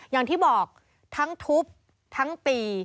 อย่างที่บอกทั้งทุบทั้งตี